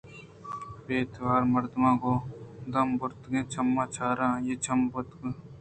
بے تواریں مردماں گوں دم بُرتگیں چماں چاران آئیءِ چم بند بوت اَنتءُواب کپت